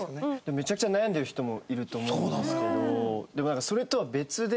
めちゃくちゃ悩んでる人もいると思うんですけどでもそれとは別で。